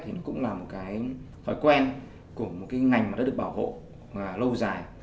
thì nó cũng là một cái thói quen của một cái ngành mà đã được bảo hộ lâu dài